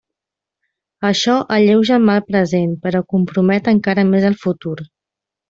Això alleuja el mal present, però compromet encara més el futur.